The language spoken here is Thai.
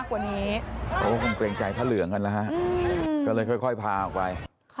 โดยโดยโดยโดยโดยโดยโดยโดยโดยโดยโดยโดยโดย